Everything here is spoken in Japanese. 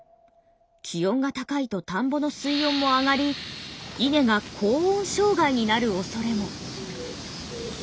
気温が高いと田んぼの水温も上がり稲が高温障害になるおそれも。